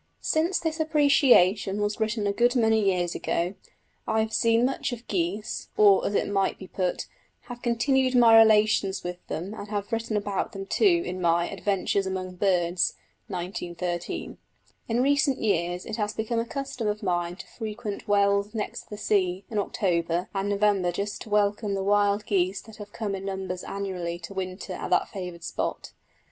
Since this appreciation was written a good many years ago I have seen much of geese, or, as it might be put, have continued my relations with them and have written about them too in my Adventures among Birds (1913). In recent years it has become a custom of mine to frequent Wells next the Sea in October and November just to welcome the wild geese that come in numbers annually to winter at that favoured spot.